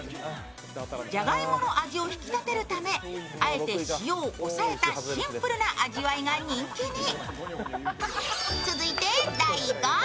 じゃがいもの味を引き立てるため、あえて塩を抑えたシンプルな味わいが人気に。